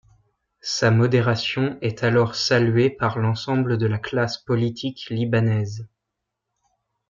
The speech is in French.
Sa modération est alors saluée par l'ensemble de la classe politique libanaise.